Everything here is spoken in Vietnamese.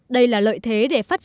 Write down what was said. đây là lợi thế để phát triển